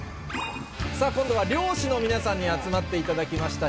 今度は漁師の皆さんに集まっていただきました。